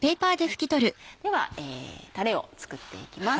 ではタレを作っていきます。